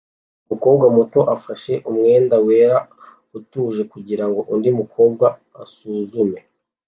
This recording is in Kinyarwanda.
Umukobwa muto ufashe umwenda wera utuje kugirango undi mukobwa asuzume